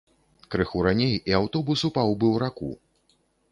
Крыху раней, і аўтобус упаў бы ў раку.